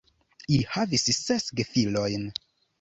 Ili havis ses gefilojn.